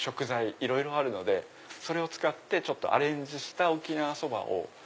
いろいろあるのでそれを使ってアレンジした沖縄そばを。